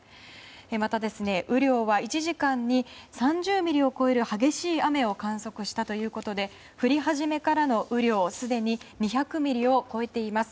また、雨量は１時間に３０ミリを超える激しい雨を観測したということで降り始めからの雨量はすでに２００ミリを超えています。